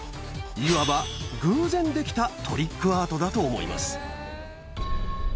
いわば、偶然出来たトリックアートだと思います。